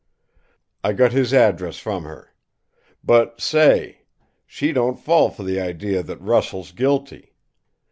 I got his address from her. But say! She don't fall for the idea that Russell's guilty!